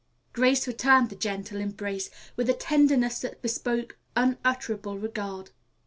Grace returned the gentle embrace with a tenderness that bespoke unutterable regard.